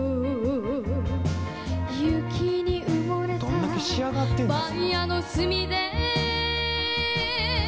「どんだけ仕上がってるんですか」